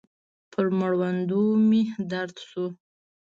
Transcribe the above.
پر مړوندو مې درد سو.